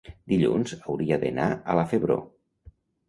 dilluns hauria d'anar a la Febró.